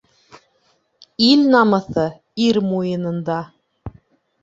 Ил намыҫы ир муйынында.